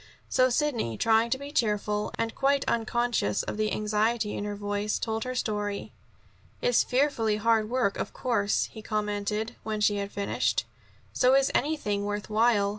So Sidney, trying to be cheerful, and quite unconscious of the anxiety in her voice, told her story. "It's fearfully hard work, of course," he commented, when she had finished. "So is anything worth while.